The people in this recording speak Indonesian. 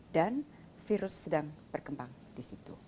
dan virus sedang berkembang di situ